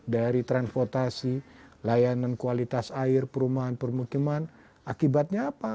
dari transportasi layanan kualitas air perumahan permukiman akibatnya apa